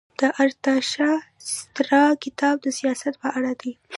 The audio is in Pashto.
د ارتاشاسترا کتاب د سیاست په اړه دی.